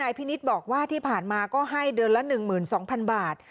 พินิษฐ์บอกว่าที่ผ่านมาก็ให้เดือนละ๑๒๐๐๐บาท